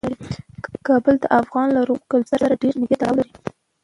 کابل د افغان لرغوني کلتور سره ډیر نږدې تړاو لري.